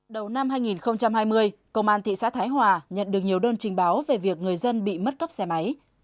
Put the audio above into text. đầu năm hai nghìn hai mươi công an thị xã thái hòa nhận được nhiều đơn trình báo về việc người dân bị mất cắp xe máy